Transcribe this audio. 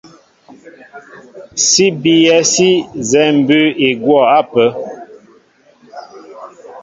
Sí bíyɛ́ sí nzɛ́ɛ́ mbʉ́ʉ́ i kɔ gwɛ́ ápə́.